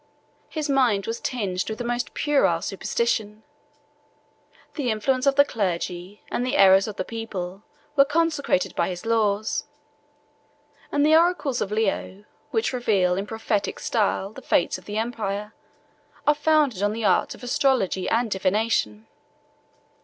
His mind was tinged with the most puerile superstition; the influence of the clergy, and the errors of the people, were consecrated by his laws; and the oracles of Leo, which reveal, in prophetic style, the fates of the empire, are founded on the arts of astrology and divination.